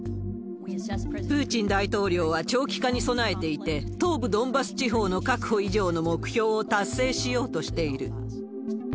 プーチン大統領は長期化に備えていて、東部ドンバス地方の確保以上の目標を達成しようとしている。